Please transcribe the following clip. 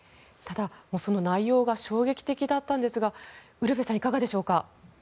内容が衝撃的だったんですがウルヴェさんいかがですか？